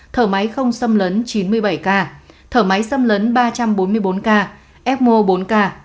thở máy không xâm lấn chín mươi bảy ca thở máy xâm lấn ba trăm bốn mươi bốn ca fmo bốn k